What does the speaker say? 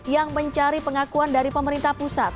yang mencari pengakuan dari pemerintah pusat